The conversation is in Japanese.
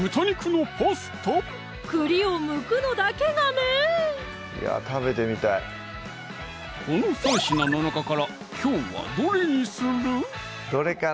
栗をむくのだけがねこの３品の中からきょうはどれにする？